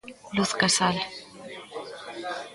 Luz Casal.